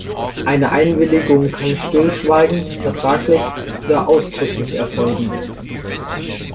Eine Einwilligung kann stillschweigend, vertraglich oder ausdrücklich erfolgen.